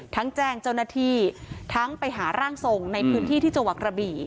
แจ้งเจ้าหน้าที่ทั้งไปหาร่างทรงในพื้นที่ที่จังหวัดกระบี่